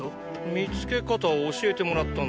見つけ方を教えてもらったんだよ。